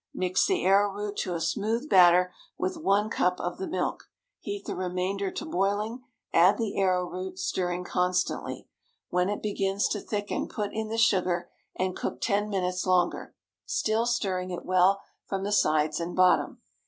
Mix the arrowroot to a smooth batter with one cup of the milk. Heat the remainder to boiling; add the arrowroot, stirring constantly. When it begins to thicken put in the sugar, and cook ten minutes longer, still stirring it well from the sides and bottom.